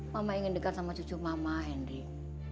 mama ingin dekat sama cucu mama hendy